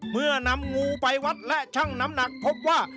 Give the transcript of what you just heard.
เมื่อนำงูไปวัดและชั่งน้ำหนักพบว่า